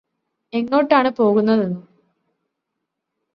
എങ്ങോട്ടാണ് പോകുന്നതെന്നും